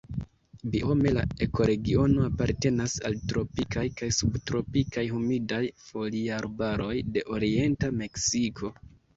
Biome la ekoregiono apartenas al tropikaj kaj subtropikaj humidaj foliarbaroj de orienta Meksiko.